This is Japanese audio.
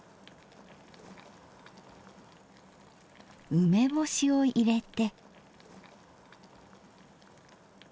梅干しを入れて。